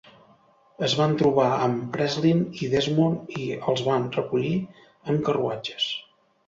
Es van trobar amb Breslin i Desmond i els van recollir en carruatges.